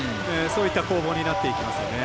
そういった攻防になっていきます。